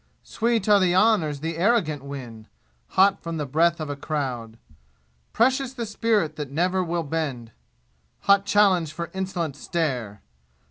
Sweet are the honors the arrogant win, Hot from the breath of a crowd. Precious the spirit that never will bend Hot challenge for insolent stare!